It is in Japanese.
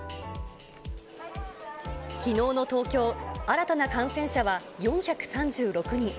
きのうの東京、新たな感染者は４３６人。